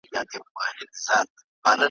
ما لیدې چي به په توره شپه کي راسې `